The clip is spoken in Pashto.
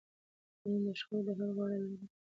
قانون د شخړو د حل غوره لاره ده